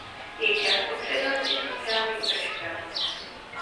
Je čas upřednostnit sociální udržitelnost.